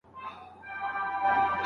زمونږ تجارت له اروپا سره بند شو.